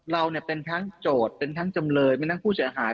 เราเป็นทั้งโจทย์เป็นทั้งจำเลยมีทั้งผู้เสียหาย